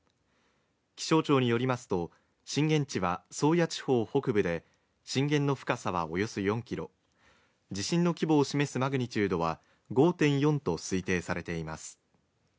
気象庁によりますと震源地は宗谷地方北部で震源の深さはおよそ４ｋｍ地震の規模を示すマグニチュードは５．４と推定されています。